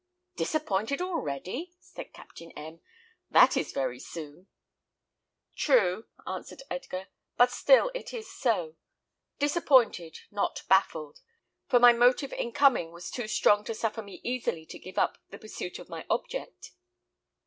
"Disappointed already!" said Captain M ; "that is very soon." "True," answered Edgar; "but still it is so. Disappointed, not baffled; for my motive in coming was too strong to suffer me easily to give up the pursuit of my object.